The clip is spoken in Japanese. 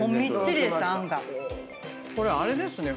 これあれですね。